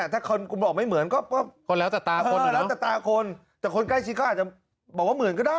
ถ้าคนบอกไม่เหมือนก็คนแล้วแต่ตาคนแต่คนใกล้ชิ้นก็อาจจะบอกว่าเหมือนก็ได้